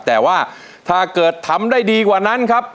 แต่ว่าถ้าเกิดทำได้ดีกว่านั้นครับ